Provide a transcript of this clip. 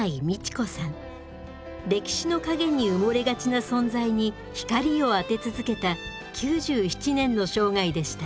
歴史の陰に埋もれがちな存在に光を当て続けた９７年の生涯でした。